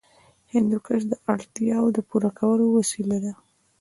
هندوکش د اړتیاوو د پوره کولو وسیله ده.